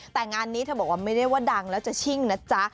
แต่งานนี้เธอบอกว่าไม่ได้ว่าดังแล้วจะชิ่งนะจ๊ะ